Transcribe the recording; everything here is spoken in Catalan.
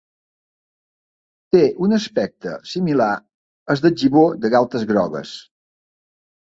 Té un aspecte similar al del gibó de galtes grogues.